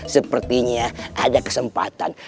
sepertinya ada kesempatan